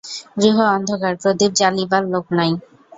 গৃহ অন্ধকার, প্রদীপ জ্বালিবার লোক নাই।